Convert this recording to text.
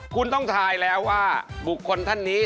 คุณต้องทายแล้วว่าบุคคลท่านนี้